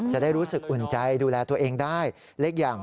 จะได้รู้สึกอุ่นใจดูแลตัวเองได้เล็กอย่าง